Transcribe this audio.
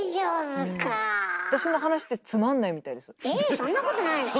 そんなことないでしょ。